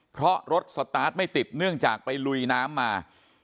เพราะรถสตาร์ทไม่ติดเนื่องจากไปลุยน้ำมา